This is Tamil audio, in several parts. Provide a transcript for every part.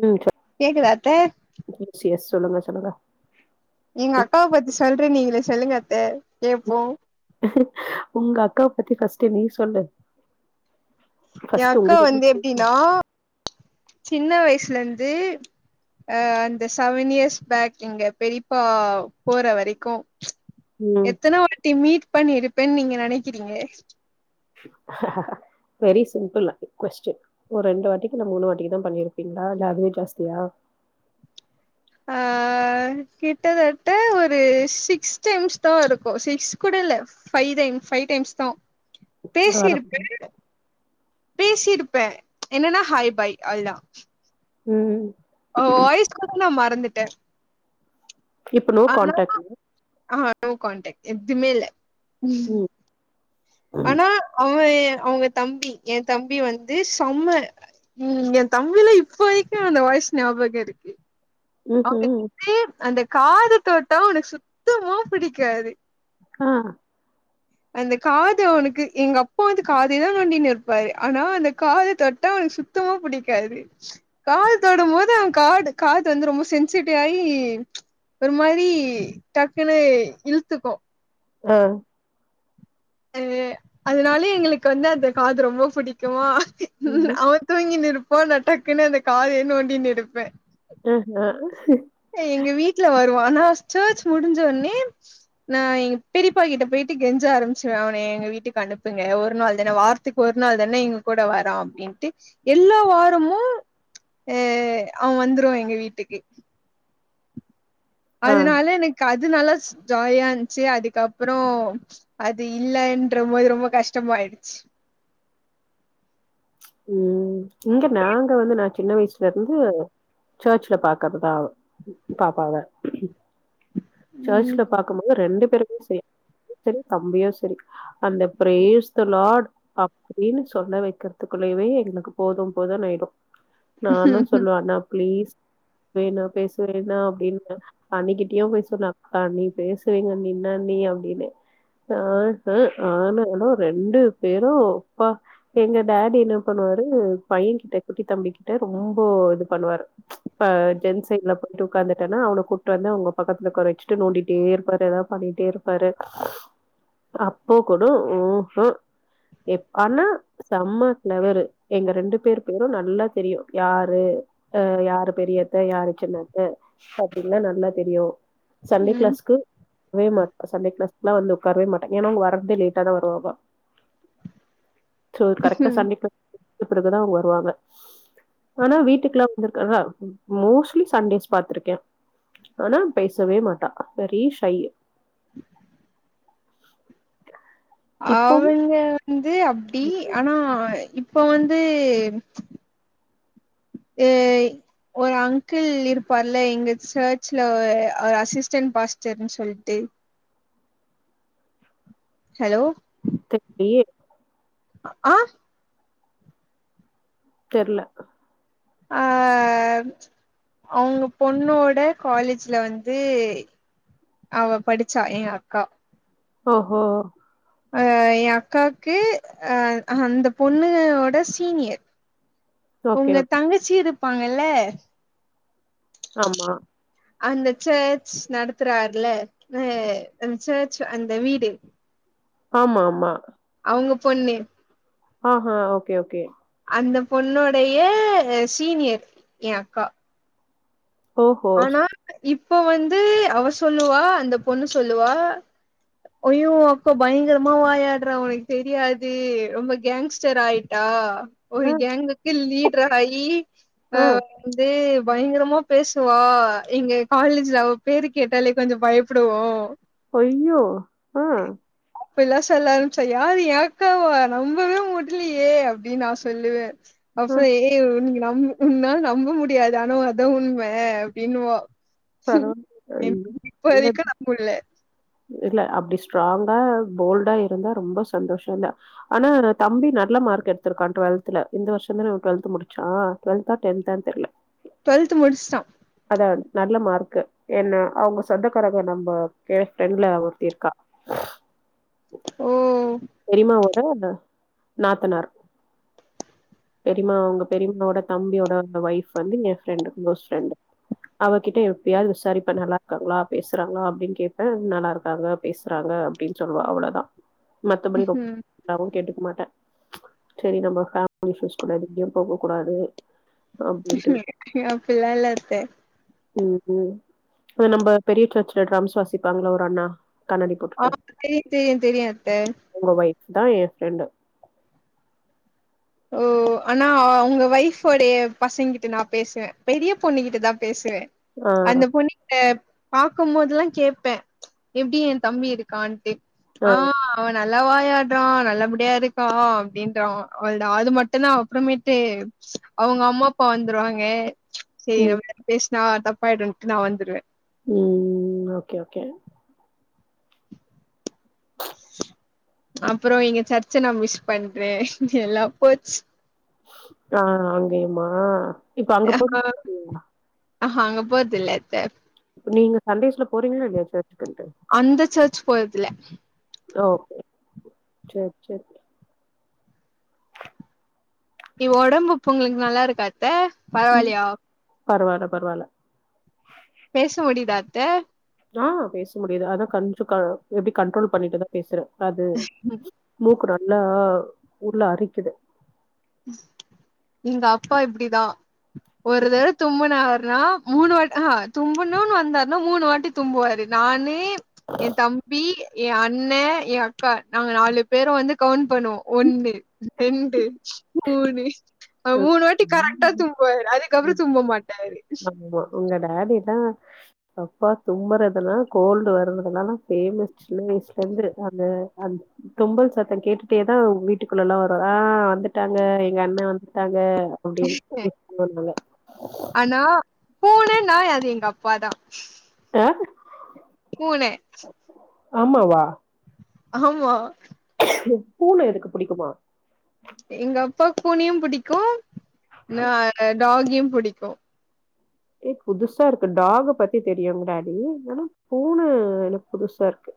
உம் சே [unintelligible] எஸ் எஸ் சொல்லுங்க சொல்லுங்க எங்க அக்காவ பத்தி சொல்றனீங்களே சொல்லுங்க அ கேப்போம் உங்க அக்காவ பத்தி ஃபஸ்ட் நீ சொல்லு ஏ ஃபர்ஸ்ட் அக்கா உங்ககிட்ட வந்து எப்டின்னா கேக்குறேன். சின்ன வயசுல இருந்து அஹ் அந்த செவன் இயர்ஸ் பேக் எங்க பெரிப்பா போற வரைக்கு ம் எத்தன வாட்டி மீட் மீட் பண்ணிருப்பேன்னு நீங்க நெனக்கிறீங்க வெரி சிம்பிள் கொஸ்டின் ஒரு ரண்டு வாட்டிக்கு இல்ல மூணு வாட்டிகுதா பண்ணிர்பீங்களா இல்ல அதுவே ஜாஸ்தியா ஆஹ் கிட்டதட்ட ஒரு சிக்ஸ் டைம்ஸ்தா இருக்கு சிக்ஸ் கூட இல்ல ஃபைதேன் ஃபைவ் டைம்ஸ்தா பரவால பேசிரு பே பேசிருப்பே என்னனா ஹாய் பாய் அதுதா உம் அவ வாய்ஸ் கூட நா மற ந்துட்டே இப்ப நோ கான்டாக்ட் ஆ நோ கான்டக்ட் எதுமே இல்ல ம் [unintelligible] ஆனா அவ எ அவுங்க தம்பி எந்தம்பி வந்து செம்ம உம் எ தம்பில இப்ப வயிக்கு அந்த வாயாஸ் ஞாபக இருக்கு ம்ஹும் அவுங்ககிட்டயே அந்த காது தோட்டோ அவுனுக்கு சுத்தமா பிடிக்காது ஆஹ் அந்த காது அவுனுக்கு எங்க அப்பாது காததே நோண்டினுருபாரு ஆனா அந்த காத தொட்டா அவுனுகு சுத்தமா புடிக்காது காது தொடு போது அவ காடு காது வந்து ரொம்ப சென்சிட்டிவ் ஆகி ச் ஒரு மாரி டக்குனு இல்த்துகு ஆஹ் அஹ் அதனாலயே எங்ளுகு வந்து அந்த காது ரொம்ப புடிக்குமா உம் ம்ஹும் அவ தூங்கினுருப் போன டக்குனு அந்த காலதயேனோண்டினு இருப்பே அஹ் ஹ எங்க வீட்ல வருவா ஆனா சேர்ச் முடிஞ்ச ஒனே நா எங் பெரிபா கிட்ட போயிடு கெஞ்ச ஆரம்பிச்சுவ அவன எங்க வீட்டுகு அனுபுங்க ஒரு நாள் தான வாரத்துக்கு ஒரு நாள் தான எங்க கூட வரா அப்டின்டு எல்லா வாரமு அஹ் அவ வந்துருவா எங்க வீட்டுக்கு ஆ அதனால எனக்கு அது இது நல்லாஸ் ஜாயா இந்துச்சு அதுக்கப்றொ அது இல்லன்றபோது ரொம்ப கஷ்டமாயிடுச்சு உம் இங்க நாங்க வந்து நா சின்ன வயஸ்ல இருந்து சேர்ச்ல பாக்றதுதா அவ பாப்பாவ சேர்ச்ல ம் பாக்குபோது ரெண்டு பேரு சே செரி தம்பியு செரி அந்த ப்ரேஸ்தலார்ட் அப்டினு சொல்ல வைக்ரத்துக்குள்ளேவே எங்ளுகு போது போது ஆயிடு நானு சொல்லுவ அண்ணா பிளீஸ் வேணா பேசுரேணா அப்டின்ன அண்ணிகிட்டயு பேஸ் சுனாப் ஆணி பேசுவிங்க அண்ணி என்னா நீ அப்டினே ஹா ஹ ஆனாலு ரெண்டு பேரு ப்பா எங்க டாடி என்ன பண்ணுவாரு பைய கிட்ட குட்டி தம்பி கிட்ட ரொம்போ இது பண்ணுவாரு பா டென்ஷன்ல பண்ணிட்டு உக்காந்துட்டேனா அவன கூட்டு வந்து அவங்க பக்கத் அத கொறசுட்டு நோண்டிட்டே இருபாரு ஏதாவ பண்ணிட்டே இருபாரு அப்போ கூட ஊகு எப்பனா செம்ம கிளவர் எங்க ரெண்டு பேரு பேரு நல்லா தெரியு யாரு பெரிய அத்த யாரு சின்ன அத்த அப்டின்ல நல்லா தெரியு சண்டே ம் க்ளாஸ்கு வே மா சண்டே க்ளாஸ் லா வந்து உக்காரவே மாட்டே ஏனா இவுங்க வரதே லேட்டா தா வருவாக சோ கரெக்டா ம். சண்டே க்ளா பிறகுதா அவுங்க வருவாங்க ஆனா வீட்டுக்லா வந்ருக்காங்க மோஸ்ட்லி சண்டேஸ் பாத்ருக்கே ஆனா பேசவே மாட்டா வெரி ஷை [inaudible] [inaudible] இப்பவும் அவுங்க அது அப்டி ஆனாஹ் இப்போ வந்து ஏ ஒரு அங்கிள் இருப்பார்ல எங்க சர்ச்ல ஒரு அசிஸ்டன்ட் பாஸ்டர்னு சொல்ட்டு ஹலோ [unintelligible] அ ஆஹ் தெர்ல ஆஹ் அவங்க பொண்ணோட காலேஜ்ல வந்து அவ படிச்சா ஏ அக்கா ஓஹோ அஹ் என் அக்காக்கு அ அஹ் அந்த பொண்ணுோட சீனியர் ஓகே, உங்க ஓகே. தங்கச்சி இரு இருப்பாங்கல்ல ஆமா அந்த சர்ச் நடத்துறாருல அஹ் அந்த சர்ச் அந்த வீடு ஆமா ஆமா அவங்க பொண்ணு ஆஹா ஓகே ஓகே அந்த பொண்ணொடைய சீனியர் ஏ அக்கா ஓஹோ! ஆனா இப் போ வந்து அவ சொல்லுவா அந்த பொண்ணு சொல்லுவா அய்யோ அக்கோ பயங்கரமா வாயாடுறா உனக்கு தெரியாது ரொம்ப கேங்ஸ்டர் ஆயிட்டா ஒரு அ, கேங்குக்கே லீட் ட்ரா ஆயி அ. ஆ வந்து பயங்கரமா பேஸ் சவா எங்க காலேஜ்ல அவ பேரு கேட்டாலே கொஞ்சோ பயப்டுவோ ஐய்யோ ஆ இப்பட்லா சொல்ல ஆரம்ப்ச்சா யார் ஏ அக்காவா நம்பவே முடியலையே அப்டின்னு நா சொல்லுவே அ. பஃபெ ஏ உன்கி நா உன் உன்னால நம்ப முடியாது ஆனா அதா உண்ம அப்டின்னுவா பரவால்ல. ஐயோ! நல்லது. இப்பவரைக்கூ நம்ப்முடில இல்ல அப்டி ஸ்ட்ராங்கா போல்டா இருந்தா ரொம்ப சந்தோஷந்தா ஆனா நா தம்பி நல்ல மார்க் எடுத்திருக்கா டுவெல்த்துல இந்த வருஷோந்தான அவ டுவெல்த்து முடிச்சா டுவெல்தா டென்த்தா தெர்ல டுவெல்த் முடிச்சுட்டா வெல் நல்ல மார்க்கு ஏன்னா அவுங்க சொந்தக்காரக நம்ம கேஃப் டென்ல ஒருத்திருக்கா ஓ பெரியம்மாவோட ப நாத்தனார் பெரியமா உங்க பெரியமாவோட தம்பியோட அந்த ஒய்ஃப் வந்து ஏ ஃப்ரெண்டு க்ளோஸ் ஃப்ரெண்டு அவகிட்ட எப்பயாவ்து விசாரிப்பே நல்லாருக்காங்ளா பேசுறாங்ளா அப்டின்னு கேப்பே நல்லாருக்காங்க பேசுறாங்க அப்டின்னு சொல்லுவா அவ்ளோதா மத்தபடி ம்ஹும். ரொம் [inaudible] கேட்டுக்க மாட்டே செரி நம்ம ஃபேமிலி இஷ்யூஸ் கூட எதுவுமே போக கூடாது அப்டின்ட்டு அப்டிலால்ல அத்தே ம்ஹும் அத நம்ப பெரிய சர்ச்ல டிரம்ஸ் வாசிப்பாங்கவ ஒரு அண்ணா கண்ணாடி ஆ போட்டுட்டு தெரியூ தெரியூ தெரியூ அத்தே உ வைஃப் தா ஏ ஃப்ரெண்டு ஓ ஆனா உங்க வய்ஃபோடைய பசங்கிட்ட நா பேசுவே பெரிய பொண்ணு கிட்டதா பேசுவே ஆ அந்த பொண்ணுகிட்ட பாக்கும்போதுலா கேப்பே எப்டி ஏந்தம்பி இருக்கான்ட்டு ஆ அவனா நல்லா வாயாட்றா நல்லபடியா இருக்கா அப்டின்றா அவுள்தா அது மட்டுந்தா அப்றமேட்டு அவுங்கம்மாப்பா வந்துருவாங்க சே ம் [unintelligible] பேஸ் நா தப்பாய்டூன்ட்டு நா வந்துருவே ம் ஓகே ஓகே அப்றோ இங்க சர்ச்ச நா மிஸ் பண்றே எல்லா போச் ஆ ஆ ஏம்மா இப்ப அங்க போயிட் [unintelligible] அஹ் அங்க போர்த்தில்ல அத்த நீங்க சண்டேஸ்ல போறீங்களா இல்லையா [unintelligible] அந்த சர்ச் போர்தில்ல ஓகே சேர் சேர் நீ ஒடம்பு இப்போ உங்களுக்கு நல்லா இருக்கா த்த ம் பரவாலியா? பரவால்ல பரவால்ல பேச முடியுதா அத்த ஆஹ் பேச முடியுது அதா கஞ்சோ எப்டி கண்ட்ரோல் பண்ணிட்டுதா பேசுற அது மூக்கு னாட் ன்னா உள்ள அரிக்கிது எங்க அப்பா இப்டிதா ஒரு தடவ தும்முனா றா மூணு வாட் ஆஹா தும்புணும்ன்னு வந்தார்ன்னா மூணு வாட்டி தும்புவாரு நானு என் தம்பி என் அண்ண என் அக்கா நாங்க நாலு பேரு வந்து கவுண்ட் பண்ணுவோ ஒன்னு ரெண்டு ச் மூணு மூணு வாட்டி ம் கரெக்டா தும்புவாரு அதுக்கப்றோ ம். தும்ப மாட்டாரு ஆமா உங்க டாடில்லா அப்பா தும்மறதல்லா கோல்டு வர்றதுலல்லா பேமஸ் சின்ன வயசுலந்து அந்த அ தும்பல் சத்தம் கேட்டுட்டேதா வீட்டுக்குள்ள எல்லா வருவா ஆஹ் வந்துட்டாங்க எங்க அண்ண வந்து ங்க அப்டினு விக்ஸ் மருந்துல பூன நா அது எங்க அப்பாதா ஆ பூன ஆமாவா ஆமா பூன எதுக்கு புடிக்குமா எங்க அப்பாக்கு புனையும் புடிக்கு நா ஆட்டக் டாகியும் புடிக்கு ஏ புதுசா இருக்கு டாக பத்தி தெரியும் முன்னாடி ஆனா பூன எனக்கு புதுசா இருக்கு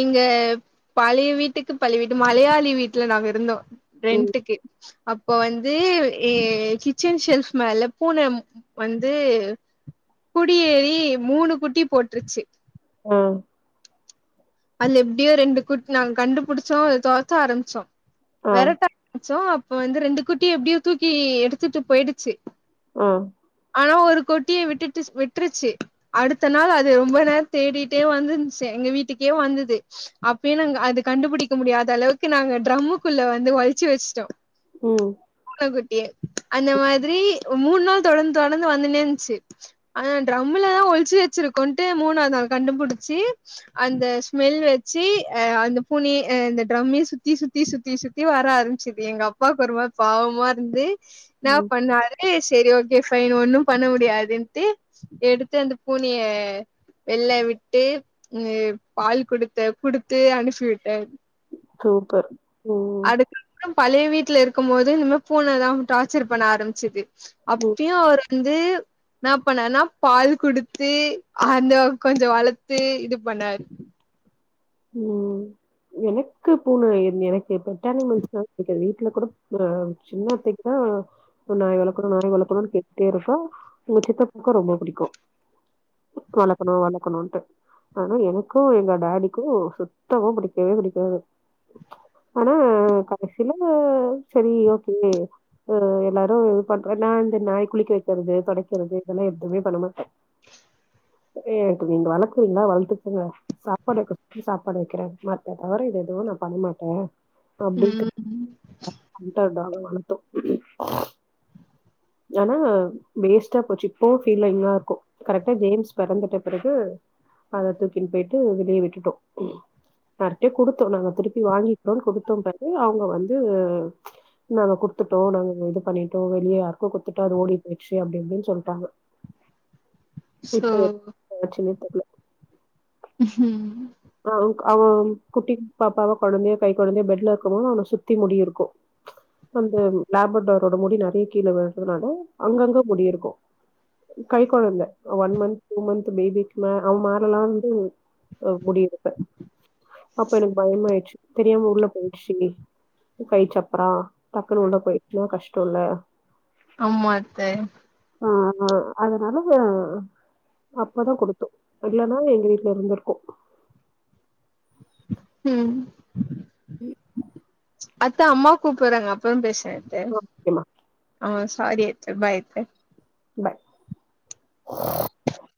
இங்க பழைய வீட்டுக்கு பழைய வீடு மலையாளி வீட்ல நாங்க இருந்தோ ம் ரெண்ட்டுக்கு அப்போ வந்து கிச்சன் ஷெல்ஃப் மேல பூன வந்து குடியேறி மூணு குட்டி போட்டுருச்சு ஆஹ் அதுல எப்படியோ ரெண்டு குட்டி நாங்க கண்டுபிடிச்சோ அத துரத்த ஆரம்பிச்சோ ஆ வெறட்ட ஆரம்பிச்சோ இப்ப வந்து ரெண்டு குட்டிய எப்படியோ தூக்கி எடுத்துட்டு போயிடுச்சு ஆஹ் ஆனா ஒரு குட்டியை விட்டுட்டு விட்டுருச்சு அடுத்த நாள் அது ரொம்ப நேரோ தேடிட்டே வந்துந்துச்சு எங்க வீட்டுக்கு கியோ வந்தது அப்பயு நாங்க அது கண்டுபிடிக்க முடியாத அளவுக்கு நாங்க டிரம்முக்குள்ள வந்து ஒளிச்சு வெச்சுட்டோ உம் குட்யே அந்த மாத்ரி மூண் நாள் தொடர்ந்து தொடர்ந்து வந்துனே இருந்ச்சி ஆனா ட்ரம்லதா ஒள்ச்சு வச்சிருக்கோன்ட்டு மூணாவ்து நாள் கண்டுபுடுச்சி அந்த ஸ்மெல் வச்சு அந்த பூனுயே அந்த ட்ரம்யே சுத்தி சுத்தி சுத்தி சுத்தி சுத்தி வர ஆரம்ச்சிது எங்க அப்பாவுக்கு ஒரு மாரி பாவ்மா இருந்து ன்னா ம் பண்ணாரு செரி ஓக் கே ஃபைன் ஒன்னு பண்ண முடியாதுன்டு எடுத்து அந்த பூனைய வெள்ள விட்டு பால் குடுத்த குடுத்து அனுப்பி விட்டாரு சூப்பர் ம் அதுக்கப்றோ பழைய வீட்ல இருக்கம்மோது இந்மா பூனதா டார்சர் பண்ண ஆரம்ச்சுது ம் அப்பியு ஒரு ந்து ன்னா பண்ணாருனா பால் குடுத்து அந்த கொஞ்ச வளத்து இது பண்ணாரு ம் எனக்கு பூன எனக்கு பெட் அனிமல்ஸ்லா புடிக்காது வீட்ல கூட சின்னத்தைக்கு தா நாய் வளக்கணு நரி வளக்கணுன் கேட்டே இருக்கு உங்க சித்தப்புக்கு ரொம்ப புடிக்கு பெட் வளக்கணு வளக்கணும்ன்ட்டு ஆனா எனக்கு எங்க டாடி க்கும் சுத்தமா புடிக்கவே புடிக்காது ஆனா கடசியல சரி ஓகே ஒரு எல்லாரு இது பண்ற நா இந்த நாய் குளிக்க வைக்கிறது தொடைக்கிறது இதல்லா எதுவுமே பண்ண மாட்ட ஏ நீங்க வளர்க்றீங்ளா வளர்த்துக்கோங்க சாப்பாடு வக்கற் சாப்பாடு வக்கிற மத்த தவர இது எதுவு நா பண் மாட்ட அப்டின்ன ம் சொல் [unintelligible] அனத்து ஏனா வேஸ்ட்டா போச்சு இப்போ ஃபீலிங்கா இருக்கு கரெக்டா ஜேம்ஸ் பெறந்துட்ட பிறகு அத தூக்கின் பெயிட்டு வெளிய விட்டுட்டோ யார்ட்டயோ குடுத்தோ நாங்க திருப்பி வாங்கிக்கிறோன் குடுத்தோ பத்தி அவ்ங்க வந்து நாங்க குடுத்துட்டோ நாங்க இது பண்ணிட்டோ வெளியார் கோ குத்துட்டோ அது ஓடி போயிச்சு அப்டி அப்டின் சொல்ட்டாங்க சோ இப்ப வச் தொலச்சதே தப் ம் அவன் அவன் குட்டி பாப்பாவா குழந்தையா கை குழந்தையா பெட்ல இருக்கும் போது அவனை சுத்தி முடியிருக்கும் அந்த லேப்ரட்டாரோட முடி நிறைய கீழே விழுறதுனால அங்கங்க முடியிருக்கும் கை குழந்தை ஒன் மந்த் டூ மந்த் பேபிக்கு அவன் மேல எல்லாம் வந்து முடி இருக்கு அப்ப எனக்கு பயமா ஆயிடுச்சு தெரியாம உள்ள போயிடுச்சு கை சப்புறான் டக்குன்னு உள்ளே போயிச்சுன்னா கஷ்டம் இல்ல ஆமா அத்தை ஆ அதனால அப்பதான் கொடுத்தோம் இல்லைன்னா எங்க வீட்டுல இருந்திருக்கும் ம் அத்தை அம்மா கூப்பிடுறாங்க அப்புறம் பேசு ஓகேம்மா. ஆ சாரி அச்சே பாய் ட்டு பாய்